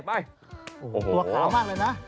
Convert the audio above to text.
ขาวมากเลยนะ